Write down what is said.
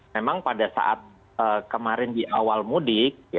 memang pada saat kemarin di awal mudik